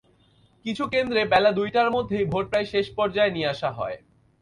কিছু কেন্দ্রে বেলা দুইটার মধ্যেই ভোট প্রায় শেষ পর্যায়ে নিয়ে আসা হয়।